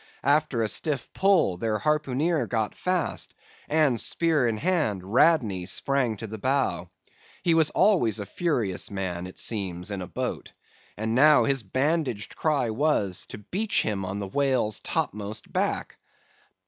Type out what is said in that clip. After a stiff pull, their harpooneer got fast, and, spear in hand, Radney sprang to the bow. He was always a furious man, it seems, in a boat. And now his bandaged cry was, to beach him on the whale's topmost back.